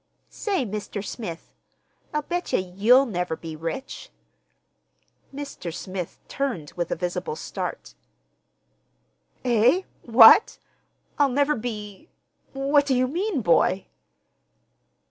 "Say, Mr. Smith, I'll bet ye you'll never be rich!" Mr. Smith turned with a visible start. "Eh? What? I'll never be—What do you mean, boy?"